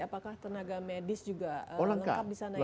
apakah tenaga medis juga lengkap di sana ya